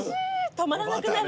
止まらなくなる。